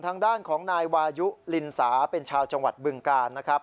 ทางด้านของนายวายุลินสาเป็นชาวจังหวัดบึงกาลนะครับ